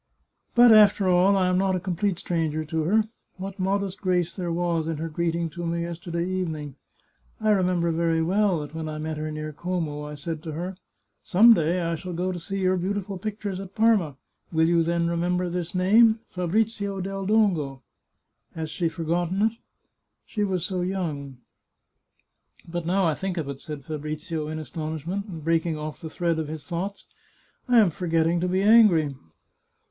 But, after all, I am not a complete stranger to her. ... What modest grace there was in her greeting to me yesterday evening ! I remember very well that when I met her near Como I said to her, ' Some day I shall go to see your beautiful pictures at Parma. Will you then remember this name — Fabrizio del Dongo ?' Has she for gotten it ? She was so young !" But now I think of it," said Fabrizio in astonishment, and breaking off the thread of his thoughts, " I am forget ting to be angry